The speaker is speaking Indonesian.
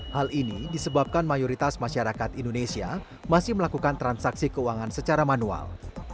hal ini disebabkan mayoritas masyarakat indonesia masih melakukan transaksi keuangan secara manual